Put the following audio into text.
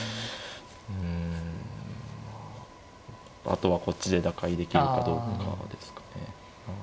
あとはこっちで打開できるかどうかですかね。